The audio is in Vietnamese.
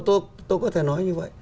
tôi có thể nói như vậy